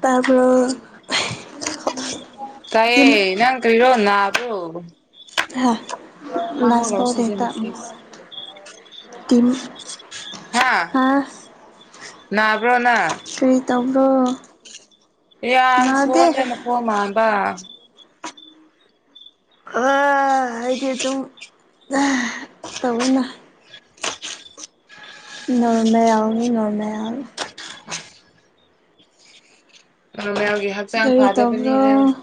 ꯇꯥꯕ꯭ꯔꯣ ꯇꯥꯏꯌꯦ ꯇꯤꯝ ꯅꯪ ꯀ꯭ꯔꯤꯔꯣ ꯅꯥꯕ꯭ꯔꯣ? ꯍꯥ ꯋꯥꯃꯣ ꯂꯥꯁ ꯄꯥꯎꯗꯤ ꯇꯥ ꯂꯧꯁꯤꯖꯦꯅ ꯄ꯭ꯂꯤꯁ ꯇꯤꯝ ꯍꯥ ꯅꯥꯕ꯭ꯔꯣ ꯅꯪ? ꯀ꯭ꯔꯤ ꯇꯧꯕ꯭ꯔꯣ? ꯌꯥ ꯅꯥꯗꯦ ꯁꯣꯟꯕꯩ ꯃꯈꯣꯟ ꯃꯥꯟꯕ ꯑꯥ ꯑꯩꯗꯤ ꯑꯗꯨꯝ ꯍꯥ ꯇꯧꯋꯤꯅ ꯅꯣꯔꯃꯦꯜꯅꯤ ꯅꯣꯔꯃꯦꯜ ꯅꯪꯒꯤ ꯍꯛꯆꯥꯛ ꯀꯔꯤ ꯐꯥꯗꯕꯅꯤ ꯇꯧꯕ꯭ꯔꯣ ꯍꯥꯏꯔꯁꯨ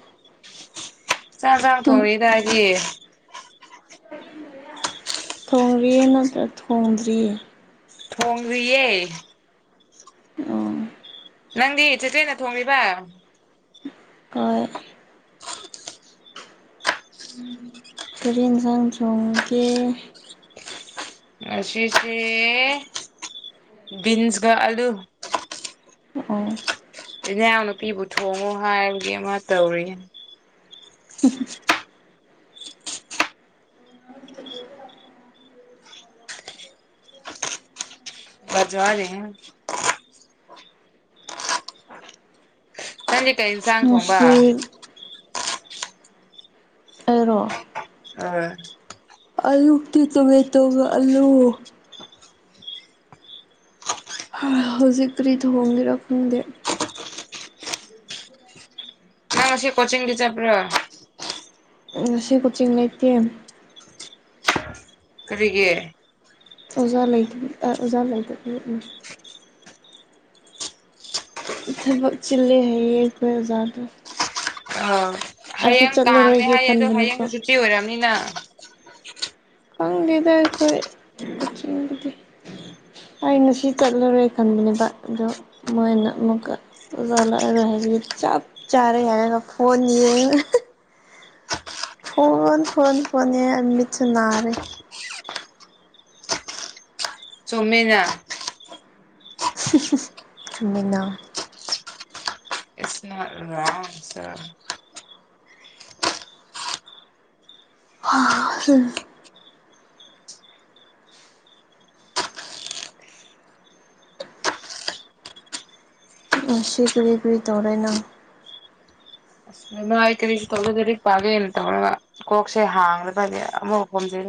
ꯆꯥꯛ ꯆꯥꯛ ꯊꯣꯡꯔꯤꯗ ꯑꯩꯗꯤ ꯊꯣꯡꯔꯤ ꯅꯠꯇ꯭ꯔ ꯊꯣꯡꯗ꯭ꯔꯤ ꯊꯣꯡꯗ꯭ꯔꯤꯌꯦ ꯑꯣ ꯅꯪꯗꯤ ꯆꯤꯆꯦꯅ ꯊꯣꯡꯂꯤꯕ ꯍꯣꯏ ꯀꯔꯤ ꯌꯦꯟꯁꯥꯡ ꯆꯣꯡꯒꯦ ꯉꯁꯤꯁꯦ ꯕꯤꯟꯁ ꯀ ꯑꯂꯨ ꯑꯣ ꯏꯅꯥꯎ ꯅꯨꯄꯤꯕꯨ ꯊꯣꯡꯉꯣ ꯍꯥꯏꯕꯒꯤ ꯑꯃ ꯇꯧꯔꯤꯌꯦ [inaudible] ꯕꯖꯥꯠ ꯍꯥꯏꯅꯦ ꯅꯪꯗꯤ ꯀꯩ ꯌꯦꯟꯁꯥꯡ ꯊꯣꯡꯕ ꯉꯁꯤ ꯑꯩꯔꯣ ꯑꯥ ꯑꯌꯨꯛꯇꯤ ꯇꯣꯃꯦ ꯇꯣꯒ ꯑꯥꯂꯨ ꯍꯥ ꯍꯧꯖꯤꯛ ꯀꯔꯤ ꯊꯣꯡꯒꯦꯔꯥ ꯈꯪꯗꯦ [inaudible] ꯅꯪ ꯉꯁꯤ ꯀꯣꯆꯤꯡꯗꯤ ꯆꯠꯄ꯭ꯔꯣ ꯉꯁꯤ ꯀꯣꯆꯤꯡ ꯂꯩꯇꯦ ꯀꯔꯤꯒꯤ ꯑꯣꯖꯥ ꯂꯩꯇꯕꯤ ꯑꯥ ꯑꯣꯖꯥ ꯂꯩꯇꯕꯤꯅꯤ ꯊꯕꯛ ꯆꯤꯜꯂꯦ ꯍꯥꯏꯌꯦ ꯑꯩꯈꯣꯏ ꯑꯣꯖꯥꯗꫭ ꯑ ꯍꯌꯦꯡ ꯀꯥꯡꯅꯦ ꯆꯠꯂꯔꯣꯏꯒꯦ ꯍꯥꯏꯌꯦ ꯑꯗꯣ ꯈꯟꯕꯅꯦꯀꯣ ꯍꯌꯦꯡꯁꯨ ꯁꯨꯇꯤ ꯑꯣꯏꯔꯝꯅꯤꯅ ꯈꯪꯗꯦꯗ ꯑꯩꯈꯣꯏ ꯀꯣꯆꯤꯡꯒꯤꯗꯤ ꯑꯩꯅ ꯁꯤ ꯆꯠꯂꯔꫭꯏ ꯈꯟꯕꯅꯦꯕ ꯑꯗꯣ ꯃꯣꯏꯅ ꯑꯃꯨꯛꯀ ꯑꯣꯖꯥ ꯂꯥꯛꯔꯔꯣꯏ ꯍꯥꯏꯕꯒꯤ ꯆꯞ ꯆꯥꯔꯦ ꯍꯥꯏꯔꯒ ꯐꯣꯟ ꯌꯦꯡꯔꯒ ꯐꯣꯟ ꯐꯣꯟ ꯐꯣꯟ ꯌꯦꯡꯔ ꯃꯤꯠꯁꯨ ꯅꯥꯔꯦ ꯆꯨꯝꯃꯤꯅꯥ ꯆꯨꯝꯃꯤꯅꯥ [unintelligible] ꯍꯥ ꯍꯨꯏ ꯉꯁꯤ ꯀꯔꯤ ꯀꯔꯤ ꯇꯧꯔꯦ ꯅꯪ ꯉꯥꯏ ꯀꯔꯤꯁꯨ ꯇꯧꯗꯦ ꯂꯥꯏꯔꯤꯛ ꯄꯥꯒꯦꯅ ꯇꯧꯔꯒ ꯀꯣꯛꯁꯦ ꯍꯥꯡꯗ꯭ꯔꯥꯒꯗꯤ ꯑꯃꯨꯛ ꯈꯣꯝꯖꯤꯟ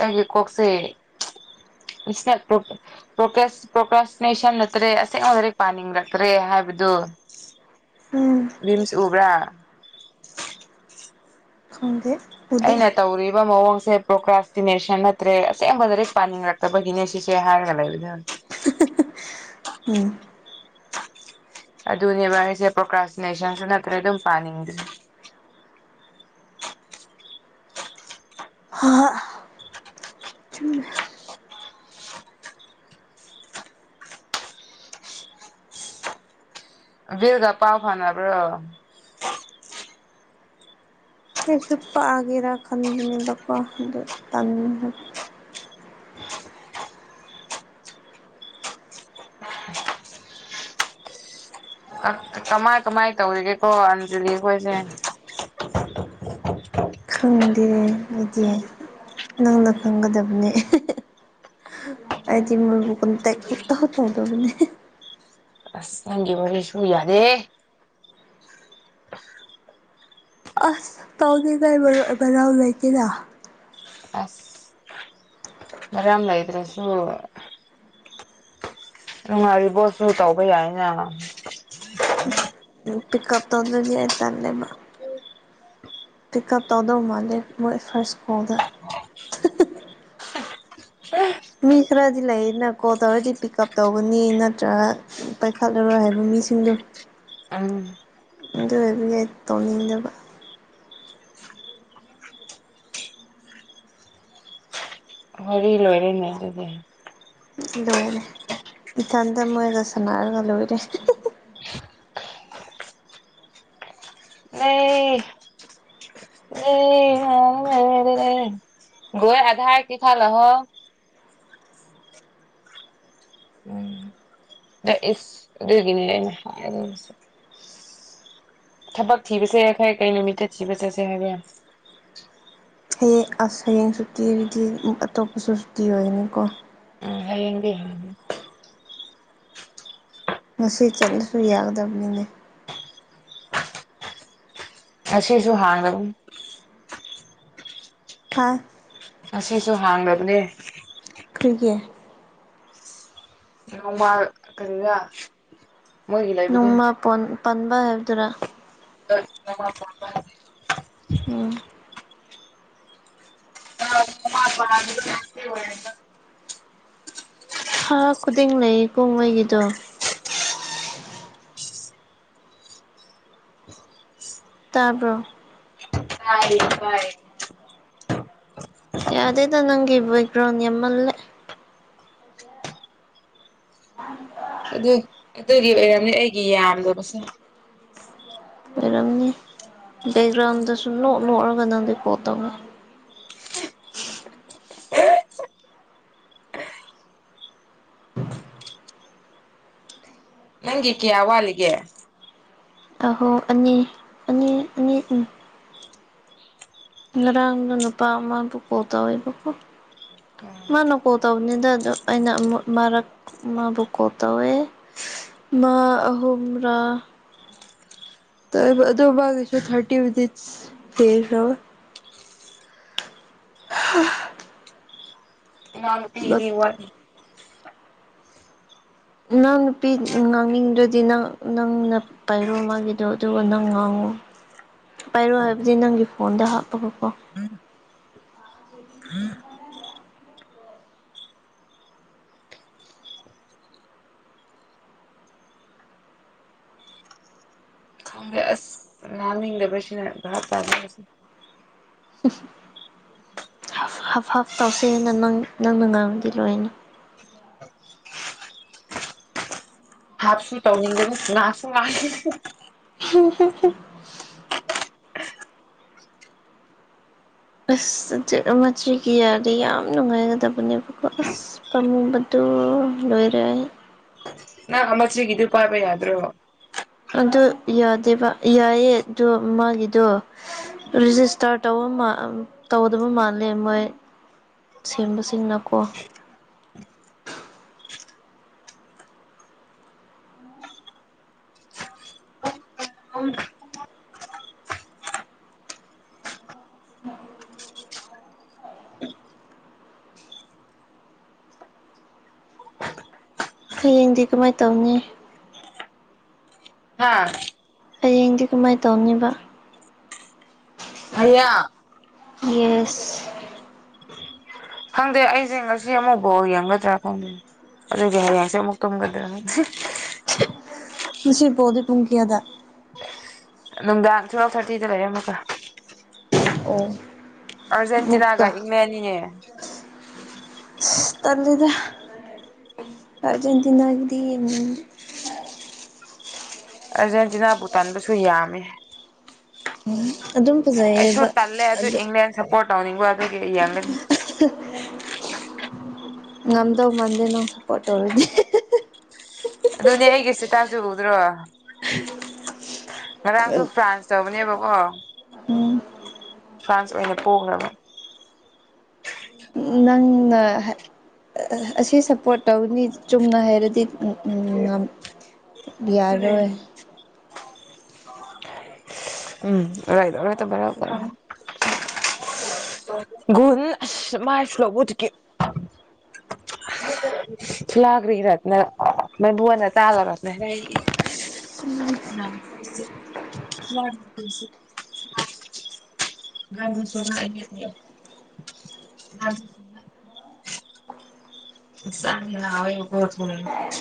ꯑꯩꯒꯤ ꯀꯣꯛꯁꯦ ꯗꯤꯁ꯭ꯇꯔꯕ ꯇ꯭ꯔꯣꯞꯄꯅꯤ ꯄ꯭ꯔꯣꯀꯦꯁ ꯄ꯭ꯔꯣꯀ꯭ꯔꯥꯁ꯭ꯇꯤꯅꯦꯁꯟ ꯅꯠꯇ꯭ꯔꯦ ꯑꯁꯦꯡꯕ ꯂꯥꯏꯔꯤꯛ ꯄꯥꯅꯤꯡꯔꯛꯇ꯭ꯔꯦ ꯍꯥꯏꯕꯗꯨ ꯎꯝ ꯚꯤꯝꯁ ꯎꯕ꯭ꯔꯥ ꯈꯪꯗꯦ ꯎꯗꯦ ꯑꯩꯅ ꯇꯧꯔꯤꯕ ꯃꯑꯣꯡꯁꯦ ꯄ꯭ꯔꯣꯀ꯭ꯔꯥꯁ꯭ꯇꯤꯅꯦꯁꯟ ꯅꯠꯇ꯭ꯔꯦ ꯑꯁꯦꯡꯕ ꯂꯥꯏꯔꯤꯛ ꯄꯥꯅꯤꯡꯔꯛꯇꯕꯒꯤꯅꯦ ꯁꯤꯁꯦ ꯍꯥꯏꯔꯒ ꯂꯩꯕꯗꯨ [inaudible] ꯑꯗꯨꯅꯦꯕ ꯑꯩꯁꯦ ꯄ꯭ꯔꯣꯀ꯭ꯔꯥꯁ꯭ꯇꯤꯅꯦꯁꯟꯁꯨ ꯅꯠꯇ꯭ꯔꯦ ꯑꯗꯨꯝ ꯄꯥꯅꯤꯡꯗꯦ ꯍ ꯍꯥ ꯆꯨꯅꯦ ꯕꯤꯜꯒꯥ ꯄꯥꯎ ꯐꯥꯎꯅꯕ꯭ꯔꯣ ꯑꯩꯁꯨ ꯄꯥꯒꯦꯔꯥ ꯈꯟꯕꯅꯦꯕꯀꯣ ꯗꯨ ꯇꯟꯕ ꯀꯃꯥꯏ ꯀꯃꯥꯏ ꯇꯧꯔꯤꯒꯦ ꯀꯣ ꯑꯟꯖꯂꯤ ꯈꯣꯏꯁꯦ ꯈꯪꯗꯦ ꯑꯩꯗꯤ ꯅꯪꯅ ꯈꯪꯒꯗꯕꯅꯦ ꯑꯩꯗꯤ ꯃꯣꯏꯕꯨ ꯀꯟꯇꯦꯛ ꯁꯨꯛꯇꯧ ꯇꯧꯗꯕꯅꯦ ꯑꯁ ꯅꯪꯒꯤ ꯋꯥꯔꯤ ꯁꯨ ꯌꯥꯗꯦꯍꯦ ꯑꯁ ꯇꯧꯗꯦꯗ ꯑꯩ ꯃꯔꯨꯞ ꯃꯅꯥꯎ ꯂꯩꯇꯦꯗ ꯑꯁ ꯃꯔꯝ ꯂꯩꯇ꯭ꯔꯁꯨ ꯅꯨꯡꯉꯥꯏꯔꯤꯕꯣ ꯁꯨ ꯇꯧꯕ ꯌꯥꯏꯅ ꯎꯝ ꯄꯤꯛꯀꯞ ꯇꯧꯗ꯭ꯔꯗꯤ ꯑꯩ ꯇꯜꯂꯦꯕ ꯄꯤꯛꯀꯞ ꯇꯧꯗꯧ ꯃꯥꯟꯗꯦ ꯃꯣꯏ ꯐꯥꯔꯁ ꯀꯣꯜꯗ ꯃꯤ ꯈꯔꯗꯤ ꯂꯩꯌꯦꯗꯅ ꯀꯣꯜ ꯇꯧꯔꯗꯤ ꯄꯤꯛꯀꯞ ꯇꯧꯒꯅꯤ ꯅꯠꯇ꯭ꯔꯒ ꯎꯝ ꯄꯥꯏꯈꯠꯂꯔꯣꯏ ꯍꯥꯏꯕ ꯃꯤꯁꯤꯡꯗꯨ [unintelligible] ꯑꯗꯨ ꯑꯣꯏꯕꯅꯦ ꯇꯧꯅꯤꯡꯗꯕ ꯋꯥꯔꯤ ꯂꯣꯏꯔꯦꯅꯦ ꯑꯗꯨꯗꯤ ꯂꯣꯏꯔꯦ ꯏꯊꯟꯇ ꯃꯣꯏꯒ ꯁꯥꯟꯅꯔꯒ ꯂꯣꯏꯔꯦ [unintelligible] ꯑꯩ ꯑꯦ [unintelligible] ꯒꯨꯏ ꯑꯥꯗꯔ [unintelligible] ꯂꯥꯍꯣ ꯎꯝ ꯗꯦꯠ ꯏꯁ ꯑꯗꯨꯒꯤꯅꯦ ꯑꯩꯅꯍꯥꯏꯗꯧꯔꯤꯁꯦ ꯊꯕꯛ ꯊꯤꯕꯁꯦ ꯑꯩꯈꯣꯏ ꯀꯩ ꯅꯨꯃꯤꯠꯇ ꯊꯤꯕ ꯆꯠꯁꯦ ꯍꯥꯏꯕꯔ? ꯑꯦ ꯑꯁ ꯍꯌꯦꯡ ꯁꯨꯇꯤ ꯑꯨꯢꯔꯗꯤ ꯎꯝ ꯑꯇꯣꯞꯄꯁꯨ ꯁꯨꯇꯤ ꯑꯣꯏꯒꯅꯤꯀꯣ? ꯎꯝ ꯍꯌꯦꯡꯗꯤ ꯍꯪ ꯉꯁꯤ ꯆꯠꯂꯁꯨ ꯌꯥꯒꯗꯕꯅꯤꯅꯦ ꯉꯁꯤꯁꯨ ꯍꯥꯡꯗꯒꯨꯝ ꯍꯥ ꯉꯁꯤꯁꯨ ꯍꯥꯡꯗꯕꯅꯦ ꯀ꯭ꯔꯤꯒꯦ? ꯅꯣꯡꯃꯜ ꯀꯔꯤꯔꯥ ꯃꯣꯏꯒꯤ ꯂꯩꯕꯗꯨ ꯅꯣꯡꯃꯥ ꯄꯣꯟ ꯄꯟꯕ ꯍꯥꯏꯕꯗꯨꯔꯥ? [unintelligible] ꯅꯣꯡꯃꯥ ꯄꯥꯟꯕ ꯍꯥꯏ ꯎꯝ ꯅꯥꯡꯃ ꯄꯟꯕ ꯉꯥꯁꯤ ꯑꯣꯏꯔꯦ [unintelligible] [unintelligible] ꯊꯥ ꯈꯨꯗꯤꯡ ꯂꯩꯌꯦꯀꯣ ꯃꯣꯏꯒꯤꯗꯣ? [inaudible] ꯇꯥꯕ꯭ꯔꯣ? [unintelligible] ꯄꯥꯏ ꯌꯥꯗꯦꯗ ꯅꯪꯒꯤ ꯕꯦꯛꯒ꯭ꯔꯥꯎꯟꯗ ꯌꯥꯝꯃꯜꯂꯦ ꯑꯗꯨ ꯑꯗꯨꯒꯤ ꯑꯣꯏꯔꯝꯅꯤ ꯑꯩꯒꯤ ꯌꯥꯝꯗꯕꯁꯦ ꯕꯦꯛꯒ꯭ꯔꯥꯎꯟꯗ ꯗꯁꯨ ꯅꯣꯛꯅꯣꯛꯔꯒ ꯅꯪꯗꯤ ꯀꯣꯜꯇꯧꯋꯦ ꯅꯪꯒꯤ ꯀꯤꯌꯥ ꯋꯠꯂꯤꯒꯦ? ꯑꯍꯣ ꯑꯅꯤ ꯑꯅꯤ ꯑꯅꯤ ꯎꯝ ꯉꯔꯥꯡꯗꯣ ꯅꯨꯄꯥ ꯑꯃꯕꯨ ꯀꯣꯜ ꯇꯧꯋꯦꯕꯀꯣ ꯃꯥꯅ ꯀꯣꯜ ꯇꯧꯕꯅꯦꯗ ꯑꯗꯨ ꯑꯩꯅ ꯑꯃꯨ ꯃꯥꯔꯛ ꯃꯕꯨꯀꯣꯜ ꯇꯧꯋꯦ ꯃꯥ ꯑꯍꯨꯝꯔꯥ ꯇꯧꯋꯦꯕ ꯑꯗꯣ ꯃꯒꯤꯁꯨ ꯊꯥꯔꯇꯤ ꯃꯤꯅꯤꯠꯁ ꯍꯦꯟꯈ꯭ꯔꯕ ꯍꯥ ꯏꯅꯥꯎ ꯅꯨꯄꯤꯒꯤꯗꯤ ꯋꯥꯠꯂꯤ ꯏꯅꯥꯎ ꯅꯨꯄꯤ ꯉꯥꯡꯅꯤꯡꯗ꯭ꯔꯗꯤ ꯅꯪ ꯅꯪꯅ ꯄꯥꯏꯔꯣ ꯃꯥꯒꯤꯗꯣ ꯑꯗꯨꯒ ꯅꯪ ꯉꯥꯡꯉꯣ ꯄꯥꯏꯔꯣ ꯍꯥꯏꯕꯗꯤ ꯅꯪꯒꯤ ꯐꯣꯟꯗ ꯍꯥꯞꯄꯒꯀꯣ ꯈꯪꯗꯦ ꯑꯁ ꯉꯥꯡꯅꯤꯡꯗꯕꯁꯤꯅ ꯕꯥꯍꯞꯇꯗꯦ ꯑꯩꯁꯨ [unintelligible] ꯍꯥꯞ ꯍꯥꯞ ꯍꯥꯞ ꯇꯧꯁꯦꯅ ꯅꯪ ꯅꯪꯅ ꯉꯥꯡꯉꯗꯤ ꯂꯣꯏꯅ ꯍꯥꯞꯁꯨ ꯇꯧꯅꯤꯡꯗꯕ ꯉꯥꯡꯁꯨ ꯉꯥꯡꯅꯤꯡ [unintelligible] ꯑꯁ [unintelligible] ꯌꯥꯔꯗꯤ ꯌꯥꯝ ꯅꯨꯡꯉꯥꯏꯒꯗꯕꯅꯦꯕꯀꯣ ꯑꯁ ꯑꯁ ꯄꯝꯃꯨꯕꯗꯣ ꯂꯣꯏꯔꯦ ꯑꯩ ꯅꯪ ꯑꯃ ꯆꯤꯒꯤꯗꯣ ꯄꯥꯏꯕ ꯌꯥꯗ꯭ꯔꯣ ꯑꯗꯨ ꯌꯥꯗꯦꯕ ꯌꯥꯏꯌꯦ ꯑꯗꯨ ꯃꯥꯒꯤꯗꯣ ꯔꯦꯖꯤꯁꯇꯔ ꯇꯧꯕꯃ ꯇꯧꯗꯕ ꯃꯥꯜꯂꯦ ꯃꯣꯏ ꯁꯦꯝꯕꯁꯤꯅꯀꯣ ꯍꯌꯦꯡꯗꯤ ꯀꯃꯥꯏꯅ ꯇꯧꯅꯤ ꯍꯥꯥ ꯍꯌꯦꯡꯗꯤ ꯀꯃꯥꯏꯅ ꯇꯧꯅꯤꯕ ꯍꯌꯥ ꯌꯦꯁ ꯈꯪꯗꯦ ꯑꯩꯁꯦ ꯉꯁꯤ ꯑꯃꯨꯛ ꯕꯣꯜ ꯌꯦꯡꯒꯗ꯭ꯔꯥ ꯈꯪꯗꯦꯅꯦ ꯑꯗꯨꯒꯤ ꯍꯌꯦꯡꯁꯦ ꯑꯃꯨꯛ ꯇꯨꯝꯒꯗ꯭ꯔꯥ ꯈꯪꯗꯦ ꯉꯁꯤ ꯕꯣꯜꯗꯤ ꯄꯨꯡ ꯀꯌꯥꯗ ꯅꯨꯡꯗꯥꯡ ꯊꯨꯋꯦꯜꯐ ꯊꯥꯔꯇꯤꯗ ꯂꯩꯔꯦ ꯑꯝꯃꯨꯀ ꯑꯣ ꯑꯔꯖꯦꯟꯇꯤꯅꯥꯒ ꯃꯨꯛꯀ ꯏꯟ꯭ꯂꯅꯤꯅꯦ ꯇꯜꯂꯤꯗ ꯑꯔꯖꯦꯟꯇꯤꯅꯥꯒꯤꯗꯤ ꯎꯝ ꯑꯥꯔꯖꯦꯟꯇꯤꯅꯥꯕꯨ ꯇꯥꯟꯕꯁꯨ ꯌꯥꯝꯃꯦ ꯎꯝ ꯑꯗꯨꯝ ꯑꯩꯁꯨ ꯐꯖꯩꯌꯦꯕ ꯇꯜꯂꯦ ꯑꯗꯨ ꯏꯪꯂꯦꯟ ꯁꯞꯄꯣꯔꯠ ꯇꯧꯅꯤꯡꯕ ꯑꯗꯨꯒꯤ ꯌꯦꯡꯒꯅꯤ [unintelligible] ꯉꯝꯗꯧ ꯃꯥꯟꯗꯦ ꯅꯪ ꯁꯞꯄꯣꯔꯠ ꯇꯧꯔꯗꯤ ꯑꯗꯨꯅꯦ ꯑꯩꯒꯤ ꯏꯁꯤꯇꯥꯁꯨ ꯎꯗ꯭ꯔꯣ ꯉꯔꯥꯡꯁꯨ ꯐ꯭ꯔꯥꯟꯁ ꯇꯧꯕꯅꯦꯕꯀꯣ ꯎꯝ ꯐ꯭ꯔꯥꯟꯁ ꯑꯣꯏꯅ ꯄꯣꯛꯈ꯭ꯔꯕ ꯅꯪꯅ ꯍ ꯑꯁꯤ ꯁꯞꯄꯣꯔꯠ ꯇꯧꯒꯅꯤ ꯆꯨꯝꯅ ꯍꯥꯏꯔꯗꯤ ꯎꯝ ꯉꯝ ꯌꯥꯔꯣꯏ ꯎꯝ [unintelligible] [unintelligible] [unintelligible] [unintelligible] [unintelligible] [unintelligible]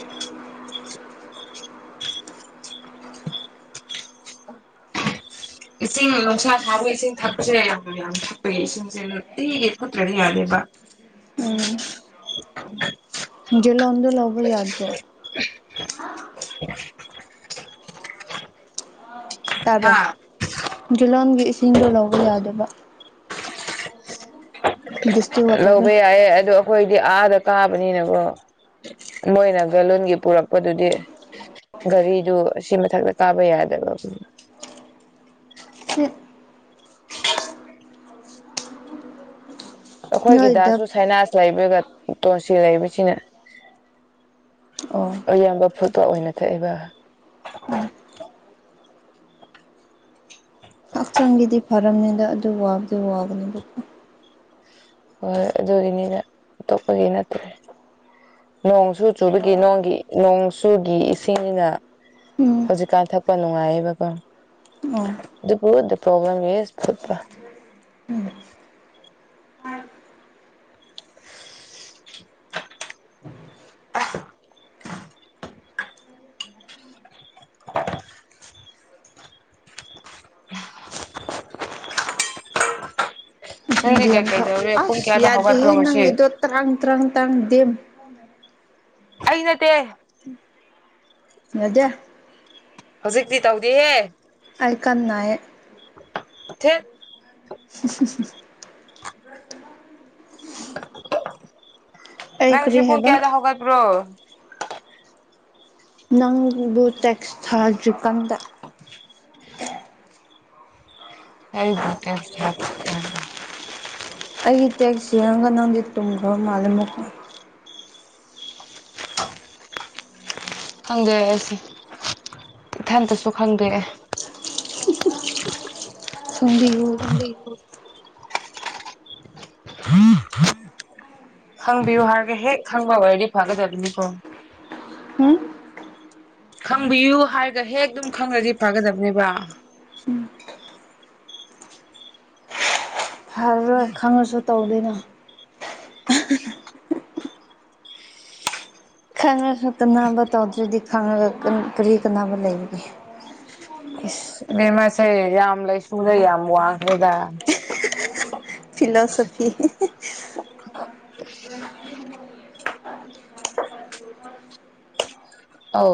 ꯏꯁꯤꯡ ꯅꯨꯡꯁꯥ ꯁꯥꯕꯒ ꯏꯁꯤꯡ ꯊꯛꯄꯁꯦ ꯌꯥꯝ ꯌꯥꯝ ꯊꯛꯄꯩ ꯏꯁꯤꯡꯁꯦ ꯅꯨꯡꯇꯤꯒꯤ ꯍꯨꯠꯇ꯭ꯔꯗꯤ ꯌꯥꯗ꯭ꯔꯦꯕ ꯎꯝ ꯖꯤ ꯂꯣꯟꯗꯨ ꯂꯧꯕ ꯌꯥꯗ꯭ꯔꯣ [inaudible] ꯇꯥꯕ꯭ꯔꯥ ꯍꯥ ꯖꯨꯂꯣꯟꯒꯤ ꯏꯁꯤꯡꯗꯣ ꯂꯧꯕ ꯌꯥꯗꯕ ꯗꯤꯁ ꯂꯧꯕ ꯌꯥꯏꯌꯦ ꯑꯗꯨ ꯑꯩꯈꯣꯏꯗꯤ ꯑꯥꯗ ꯀꯥꯕꯅꯤꯅꯀꯣ ꯃꯣꯏꯅ ꯕꯦꯂꯨꯟꯒꯤ ꯄꯨꯔꯛꯄꯗꯨꯗꯤ ꯒꯥꯔꯤꯗꯨ ꯑꯁꯤ ꯃꯊꯛꯇ ꯀꯥꯕ ꯌꯥꯗꯕ [inaudible] ꯑꯩꯈꯣꯏꯒꯤ ꯅꯣꯏꯗ ꯗꯥꯁꯨ ꯁꯥꯏꯅꯁ ꯂꯩꯕꯒ ꯇꯣꯜꯁꯤ ꯂꯩꯕꯁꯤꯅ ꯑꯣ ꯑꯌꯥꯝꯕ ꯐꯨꯠꯄ ꯑꯣꯏꯅ ꯊꯛꯑꯦꯕ [inaudible] ꯍꯛꯆꯥꯡꯒꯤꯗꯤ ꯐꯔꯝꯅꯤꯗ ꯑꯗꯨ ꯋꯥꯕꯗꯤ ꯋꯥꯕꯅꯤꯕꯀꯣ ꯍꯣꯏ ꯍꯣꯏ ꯑꯗꯨꯒꯤꯅꯤꯅ ꯑꯇꯣꯞꯄꯒꯤ ꯅꯠꯇꯦ ꯅꯣꯡꯁꯨ ꯆꯨꯕꯒꯤ ꯅꯣꯡꯒꯤ ꯅꯣꯡ ꯆꯨꯕꯒꯤ ꯏꯁꯤꯡꯅꯤꯅ ꯎꯝ ꯍꯧꯖꯤꯛꯀꯥꯟ ꯊꯛꯄ ꯅꯨꯡꯉꯥꯏꯌꯦꯕꯀꯣ ꯑꯣ ꯑꯗꯨꯕꯨ ꯗꯥ ꯄ꯭ꯔꯣꯕ꯭ꯂꯦꯝ ꯏꯁ ꯐꯨꯠꯄ [inaudible] ꯅꯪꯗꯤ ꯏꯁꯤꯡꯗꯤ ꯀꯩ ꯌꯥꯝ ꯊꯛꯎ ꯀꯩꯗꯧꯔꯦ ꯄꯨꯡ ꯑꯁ ꯀꯌꯥꯗ ꯌꯥꯗꯦꯍꯦ ꯍꯧꯒꯠꯄ꯭ꯔꯣ ꯉꯁꯤ ꯅꯪꯒꯤꯗꯣ ꯇ꯭ꯔꯡ ꯇ꯭ꯔꯡ ꯇ꯭ꯔꯡ ꯗꯦꯝ [inaudible] ꯑꯩ ꯅꯠꯇꯦ ꯌꯥꯗꯦ ꯍꯧꯖꯤꯛꯇꯤ ꯇꯧꯗꯤꯌꯦ ꯑꯩ ꯀꯟ ꯅꯥꯏꯌꯦ ꯊꯦꯠ [inaudible] ꯑꯩ ꯅꯪ ꯉꯁꯤ ꯀꯔꯤ ꯄꯨꯡ ꯍꯥꯏꯕ ꯀꯌꯥꯗ ꯍꯧꯒꯠꯄ꯭ꯔꯣ ꯅꯪꯕꯨ ꯇꯦꯛꯁ ꯊꯥꯗ꯭ꯔꯤꯀꯥꯟꯗ [inaudible] ꯑꯩꯒꯤ ꯇꯦꯛꯁꯤ ꯌꯦꯡꯉꯒ ꯅꯪꯗꯤ ꯇꯨꯝꯈ꯭ꯔꯕ ꯃꯥꯜꯂꯦ ꯑꯃꯨꯛꯀ ꯈꯪꯗꯦ ꯑꯩꯁꯤ ꯏꯊꯟꯇꯁꯨ ꯈꯪꯗꯦꯑꯦ ꯐꯝꯕꯤꯌꯨ [inaudible] [inaudible] ꯈꯪꯕꯤꯌꯨ ꯍꯥꯏꯔꯒꯦ ꯍꯦꯛ ꯈꯪꯕ ꯑꯣꯏꯔꯗꯤ ꯐꯒꯗꯕꯅꯤꯀꯣ ꯍꯨꯝ ꯈꯪꯕꯤꯌꯨ ꯍꯥꯏꯔꯒ ꯍꯦꯛ ꯑꯗꯨꯝ ꯈꯪꯔꯗꯤ ꯐꯥꯒꯗꯕꯅꯦꯕ ꯈꯔ ꯈꯪꯉꯁꯨ ꯇꯧꯗꯦꯅ ꯈꯪꯉꯁꯨ ꯀꯥꯟꯅꯕ ꯇꯧꯗ꯭ꯔꯗꯤ ꯈꯪꯉꯒ ꯀꯔꯤ ꯀꯥꯟꯅꯕ ꯂꯩꯕꯒꯦ ꯃꯤ ꯑꯃꯁꯦ ꯌꯥꯝ ꯂꯩꯁꯨꯗ ꯌꯥꯝ ꯋꯥꯡꯈ꯭ꯔꯦꯗ ꯐꯤꯂꯣꯁꯣꯐꯤ ꯍꯦꯍꯦ ꯑꯧ